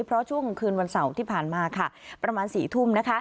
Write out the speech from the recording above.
เพราะช่วงคืนวันเสาร์ที่ผ่านมาค่ะประมาณ๔ทุ่มนะคะ